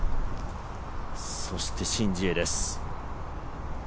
そしてシン・ジエです。